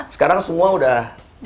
sekarang semua udah